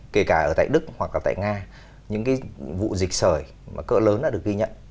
kể cả ở tại đức hoặc là tại nga những cái vụ dịch sởi mà cỡ lớn đã được ghi nhận